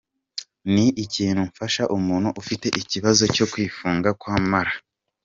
Ni iki mufasha umuntu ufite ikibazo cyo kwifunga kw’amara?.